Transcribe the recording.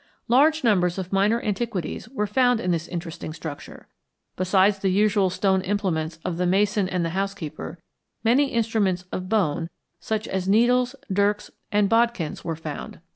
Large numbers of minor antiquities were found in this interesting structure. Besides the usual stone implements of the mason and the housekeeper, many instruments of bone, such as needles, dirks, and bodkins, were found.